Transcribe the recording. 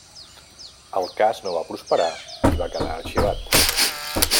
El cas no va prosperar i va quedar arxivat.